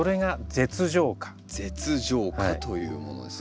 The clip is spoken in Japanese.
舌状花というものですね。